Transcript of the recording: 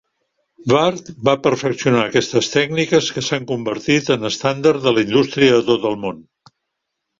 Ward va perfeccionar aquestes tècniques que s'han convertit en estàndard de la indústria a tot el món.